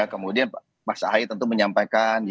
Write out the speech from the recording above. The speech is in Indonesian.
kemudian mas ahaye tentu menyampaikan